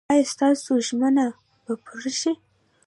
ایا ستاسو ژمنه به پوره شي؟